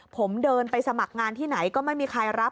ผมเดินไปสมัครงานที่ไหนก็ไม่มีใครรับ